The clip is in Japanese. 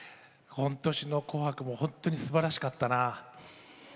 今年の紅白もとてもすばらしかったな。